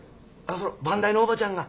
その番台のおばちゃんが。